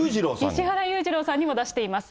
石原裕次郎さんにも出しています。